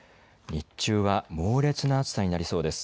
日中は猛烈な暑さになりそうです。